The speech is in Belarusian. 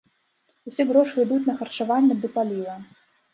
Усе грошы ідуць на харчаванне ды паліва.